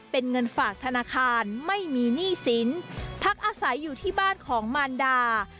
เป็นเงินฝากธนาคารไม่มีหนี้สินพักอาศัยอยู่ที่บ้านของมารดา